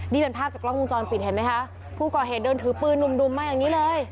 นี่เป็นภาพจากกล้องวงจรปิดเห็นไหมคะผู้ก่อเหตุเดินถือปืนหนุ่มมาอย่างนี้เลย